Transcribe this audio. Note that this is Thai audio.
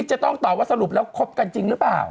จะต้องตอบว่าสรุปแล้วคบกันจริงหรือเปล่า